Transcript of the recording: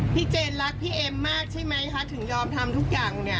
เจนรักพี่เอ็มมากใช่ไหมคะถึงยอมทำทุกอย่างเนี่ย